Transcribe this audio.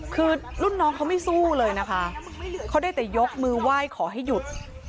คือรุ่นน้องเขาไม่สู้เลยนะคะเขาได้แต่ยกมือไหว้ขอให้หยุด